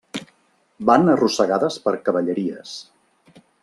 Van arrossegades per cavalleries.